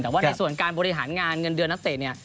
แต่ว่าในส่วนการบริหารงานเงินเดือนนักเตะเนี่ย